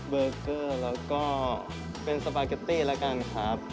เบอร์เกอร์แล้วก็เป็นสปาเกตตี้แล้วกันครับ